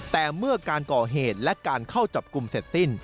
แต่เมื่อการก่อเหตุและการเข้าจับกลุ่มเสร็จสิ้น